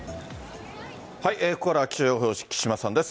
ここからは気象予報士、木島さんです。